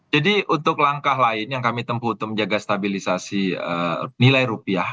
jadi untuk langkah lain yang kami tempuh untuk menjaga stabilisasi nilai rupiah